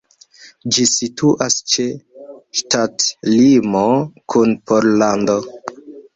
Ĝi situas ĉe ŝtatlimo kun Pollando.